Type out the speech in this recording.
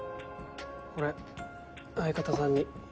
これ相方さんに。